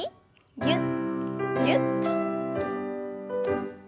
ぎゅっぎゅっと。